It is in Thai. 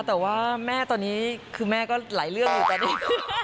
แต่ว่าแม่ตอนนี้คือแม่ก็หลายเรื่องอยู่ตอนนี้